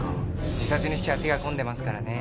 自殺にしちゃ手が込んでますからね。